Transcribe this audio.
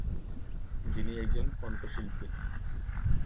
যিনি একজন কণ্ঠশিল্পী।